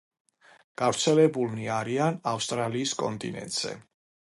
გავრცელებულნი არიან ავსტრალიის კონტინენტზე.